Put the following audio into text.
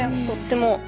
とっても。